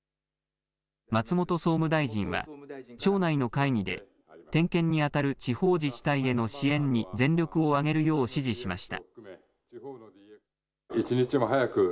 松本総務大臣は省内の会議で点検に当たる地方自治体への支援に全力を挙げるよう指示しました。